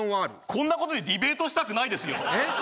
こんなことでディベートしたくないですよ